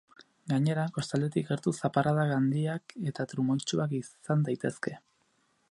Gainera, kostaldetik gertu zaparradak handiak eta trumoitsuak izan daitezke.